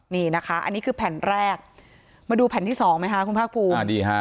นี่นะคะอันนี้คือแผ่นแรกมาดูแผ่นที่สองไหมคะคุณภาคภูมิ